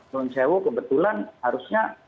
nonsewo kebetulan harusnya